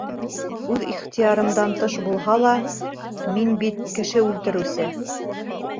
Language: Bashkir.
Үҙ ихтыярымдан тыш булһа ла, мин бит кеше үлтереүсе!